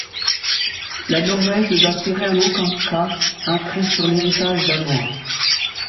La Norvège ne doit tirer en aucun cas un trait sur l'héritage danois.